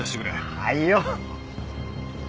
はいよ。